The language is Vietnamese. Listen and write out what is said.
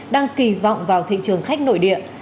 đang kỳ vọng vào thị trường khách nội địa